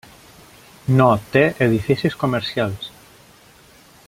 No té edificis comercials.